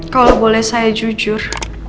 kalau boleh saya jujur